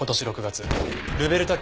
６月ルベルタ